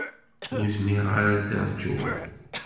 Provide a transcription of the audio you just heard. Ur zmireɣ ara ad ṛjuɣ.